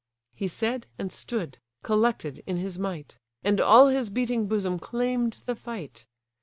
He said, and stood, collected, in his might; And all his beating bosom claim'd the fight.